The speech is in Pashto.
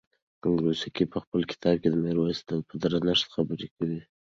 کروسنسکي په خپل کتاب کې د میرویس د درنښت خبره کوي.